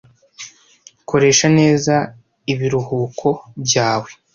Koresha neza ibiruhuko byawe.